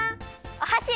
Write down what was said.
おはし！